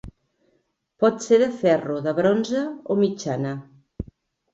Pot ser de ferro, de bronze o mitjana.